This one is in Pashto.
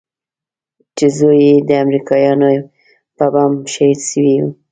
چې زوى يې د امريکايانو په بم شهيد سوى و.